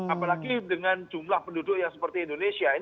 apalagi dengan jumlah penduduk yang seperti indonesia